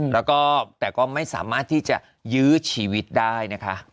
แล้วก็แต่ก็ไม่สามารถที่จะยื้อชีวิตได้นะคะ